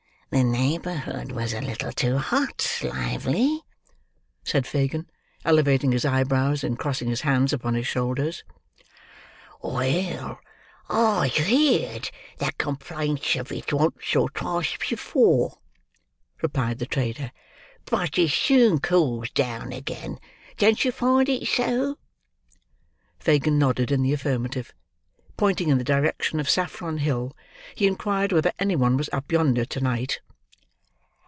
"The neighbourhood was a little too hot, Lively," said Fagin, elevating his eyebrows, and crossing his hands upon his shoulders. "Well, I've heerd that complaint of it, once or twice before," replied the trader; "but it soon cools down again; don't you find it so?" Fagin nodded in the affirmative. Pointing in the direction of Saffron Hill, he inquired whether any one was up yonder to night.